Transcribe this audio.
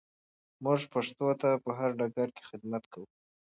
موږ پښتو ته په هر ډګر کې خدمت کوو.